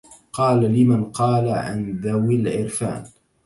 قل لمن قال عن ذوي العرفان